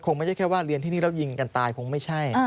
ไม่ใช่แค่ว่าเรียนที่นี่แล้วยิงกันตายคงไม่ใช่